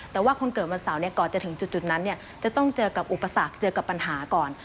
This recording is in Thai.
แต่ว่าคนเกิดวันเสาร์ก่อนจะถึงจุดนั้นจะต้องเจอกับอุปสรรคเจอกับปัญหาก่อน